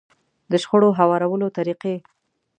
د شخړو هوارولو طريقې.